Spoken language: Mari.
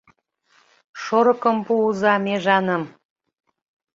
Шорыкым пуыза межаным